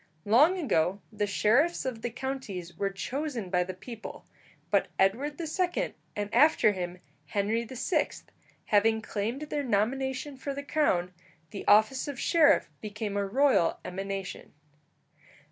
Long ago the sheriffs of the counties were chosen by the people; but Edward II., and after him Henry VI., having claimed their nomination for the crown, the office of sheriff became a royal emanation.